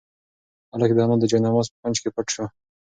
هلک د انا د جاینماز په کونج کې پټ شو.